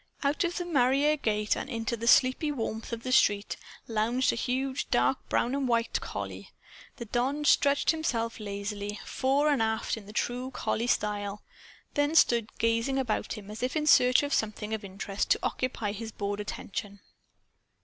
Out of the mairie gate and into the sleepy warmth of the street lounged a huge dark brown and white collie. The don stretched himself lazily, fore and aft, in true collie style, then stood gazing about him as if in search of something of interest to occupy his bored attention.